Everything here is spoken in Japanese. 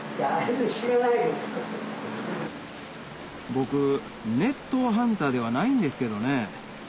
僕熱湯ハンターではないんですけどね